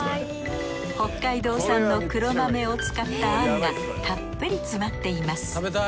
北海道産の黒豆を使った餡がたっぷり詰まっています。